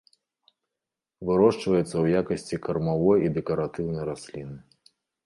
Вырошчваецца ў якасці кармавой і дэкаратыўнай расліны.